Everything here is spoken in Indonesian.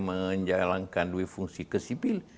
menjalankan duit fungsi ke sipil